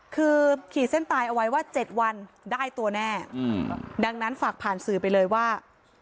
คือขีดเส้นตายเอาไว้ว่า๗วันได้ตัวแน่ดังนั้นฝากผ่านสื่อไปเลยว่า